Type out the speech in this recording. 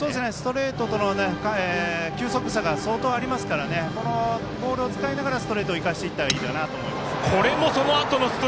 ストレートとの球速差が相当ありますからカーブを使いながらストレートを生かしていけばいいかなと思います。